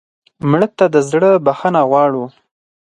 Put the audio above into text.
مړه ته د زړه بښنه غواړو